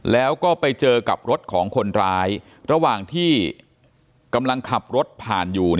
แล้วก็ไปเจอกับรถของคนร้ายระหว่างที่กำลังขับรถผ่านอยู่